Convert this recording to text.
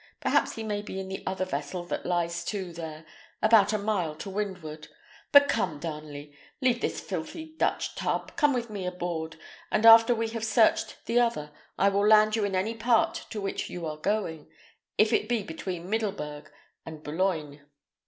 Perhaps he may be in the other vessel that lies to there, about a mile to windward. But come, Darnley, leave this filthy Dutch tub, come with me aboard, and after we have searched the other, I will land you in any port to which you are going, if it be between Middlebourg and Boulogne."